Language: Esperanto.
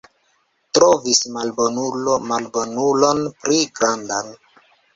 Trovis malbonulo malbonulon pli grandan.